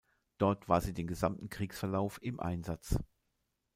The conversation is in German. Dort war sie den gesamten Kriegsverlauf im Einsatz.